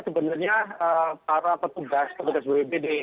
sebenarnya para petugas petugas bpbd